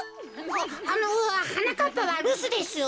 あのはなかっぱはるすですよ。